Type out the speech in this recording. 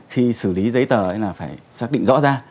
khi xử lý giấy tờ ấy là phải xác định rõ ra